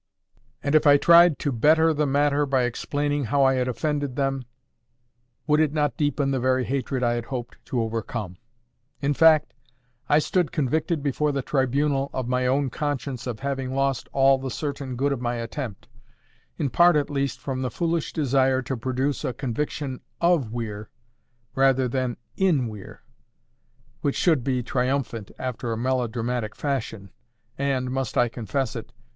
And if I tried to better the matter by explaining how I had offended them, would it not deepen the very hatred I had hoped to overcome? In fact, I stood convicted before the tribunal of my own conscience of having lost all the certain good of my attempt, in part at least from the foolish desire to produce a conviction OF Weir rather than IN Weir, which should be triumphant after a melodramatic fashion, and—must I confess it?